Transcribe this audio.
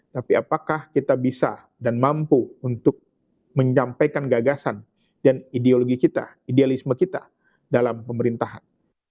tapi apakah kita bisa dan mampu untuk menyampaikan gagasan dan ideologi kita idealisme kita dalam pemerintahan